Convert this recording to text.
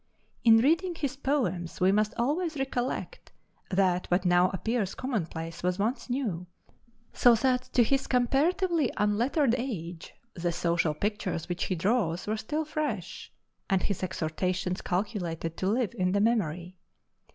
In reading his poems we must always recollect that what now appears commonplace was once new, so that to his comparatively unlettered age the social pictures which he draws were still fresh, and his exhortations calculated to live in the memory.